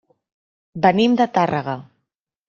Venim de Tàrrega.